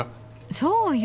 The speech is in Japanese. そうよ。